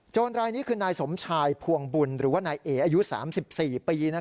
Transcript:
รายนี้คือนายสมชายพวงบุญหรือว่านายเออายุ๓๔ปี